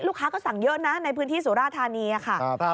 ลูกค้าก็สั่งเยอะนะในพื้นที่สุรธานียะค่ะว่ายอดสั่งจองจัด